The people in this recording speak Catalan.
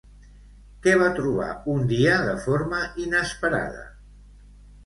Què va trobar un dia de forma inesperada?